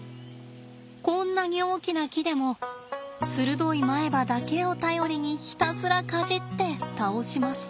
こんなに大きな木でもするどい前歯だけを頼りにひたすらかじって倒します。